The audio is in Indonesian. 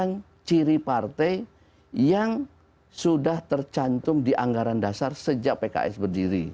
ini adalah ciri partai yang sudah tercantum di anggaran dasar sejak pks berdiri